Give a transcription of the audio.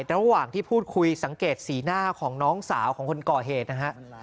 ระหว่างที่พูดคุยสังเกตสีหน้าของน้องสาวของคนก่อเหตุนะฮะ